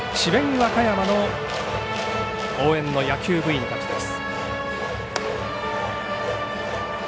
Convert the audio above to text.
和歌山の応援の野球部員たちです。